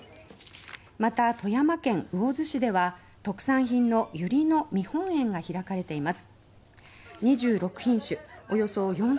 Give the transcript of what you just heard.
また富山県魚津市では特産品のユリの見本園が開かれています。